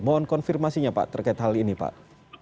mohon konfirmasinya pak terkait hal ini pak